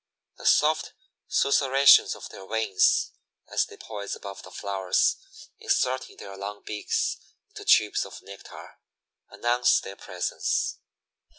The "soft susurrations" of their wings, as they poise above the flowers, inserting their long beaks into tubes of nectar, announce their presence.